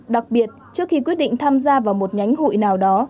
đặc biệt trước khi quyết định tham gia vào một nhánh hội nào đó